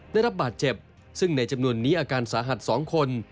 ได้รับบาดเจ็บซึ่งในจำนวนนี้อาการสาหัส๒คน